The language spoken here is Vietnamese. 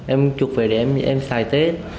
em trục về để em xài tết